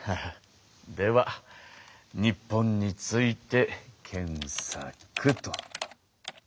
では日本について検さく。